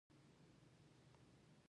د مکتوب مینوټ او کاپي وساتئ.